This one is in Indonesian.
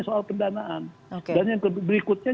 soal pendanaan dan yang berikutnya